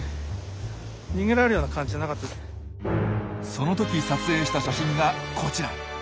その時撮影した写真がこちら。